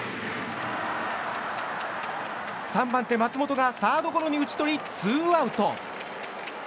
３番手、松本がサードゴロに打ち取りツーアウト。